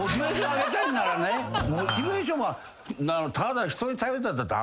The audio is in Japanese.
モチベーションは。